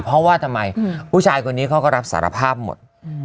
เพราะว่าทำไมผู้ชายคนนี้เขาก็รับสารภาพหมด